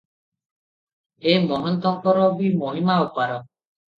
ଏ ମହନ୍ତଙ୍କର ବି ମହିମା ଅପାର ।